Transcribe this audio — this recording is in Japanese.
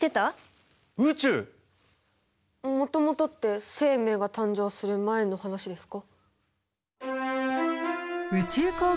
もともとって生命が誕生する前の話ですか？